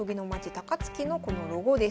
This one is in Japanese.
高槻のこのロゴです。